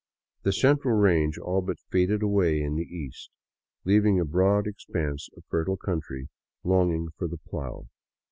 The central range all but faded away in the cast, leaving a broad expanse of fertile country longing for the plow.